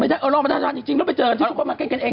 ไม่ได้เอาลองประทานสภาจรึงแล้วไปเจอกันที่ทุกคนมาเก็บกันเอง